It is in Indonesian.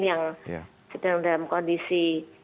yang sedang dalam kondisi